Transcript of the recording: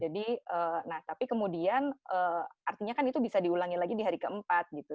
nah tapi kemudian artinya kan itu bisa diulangi lagi di hari keempat gitu